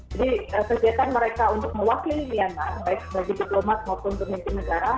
jadi kegiatan mereka untuk mewakili myanmar baik bagi diplomat maupun pemimpin negara